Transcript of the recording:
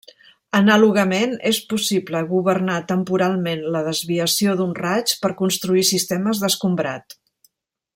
Anàlogament és possible governar temporalment la desviació d'un raig per construir sistemes d'escombrat.